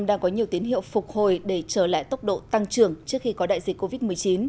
đang có nhiều tiến hiệu phục hồi để trở lại tốc độ tăng trưởng trước khi có đại dịch covid một mươi chín